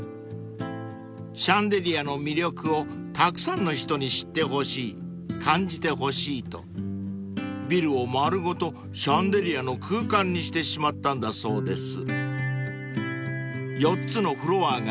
［シャンデリアの魅力をたくさんの人に知ってほしい感じてほしいとビルを丸ごとシャンデリアの空間にしてしまったんだそうです］